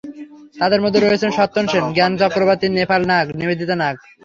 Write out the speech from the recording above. তাঁদের মধ্যে রয়েছেন সত্যেন সেন, জ্ঞান চক্রবর্তী, নেপাল নাগ, নিবেদিতা নাগ।